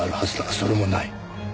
それもない。